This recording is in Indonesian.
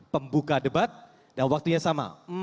pembuka debat dan waktunya sama